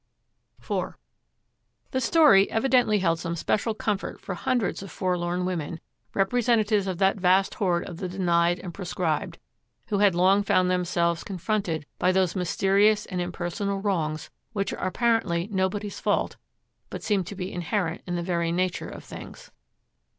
IV The story evidently held some special comfort for hundreds of forlorn women, representatives of that vast horde of the denied and proscribed, who had long found themselves confronted by those mysterious and impersonal wrongs which are apparently nobody's fault but seem to be inherent in the very nature of things.